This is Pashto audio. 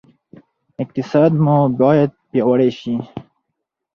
اقتصاد مو باید پیاوړی شي.